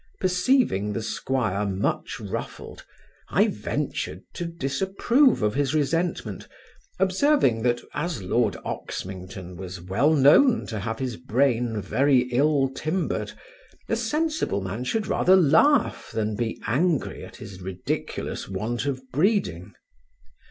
Perceiving the 'squire much ruffled, I ventured to disapprove of his resentment, observing, that as lord Oxmington was well known to have his brain very ill timbered, a sensible man should rather laugh, than be angry at his ridiculous want of breeding.